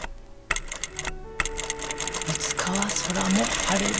いつかは空も晴れる。